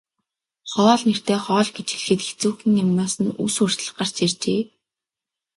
Хоол нэртэй хоол гэж хэлэхэд хэцүүхэн юмнаас нь үс хүртэл гарч иржээ.